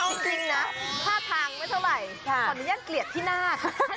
เอาจริงนะถ้าทางก็ไม่เท่าไหร่ันนี้ยังเกลียดที่หน้า